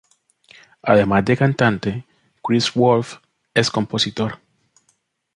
Además de cantante, Chris Wolff es compositor.